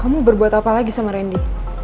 kamu berbuat apa lagi sama randy